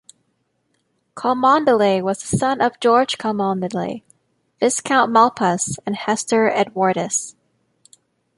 Cholmondeley was the son of George Cholmondeley, Viscount Malpas, and Hester Edwardes.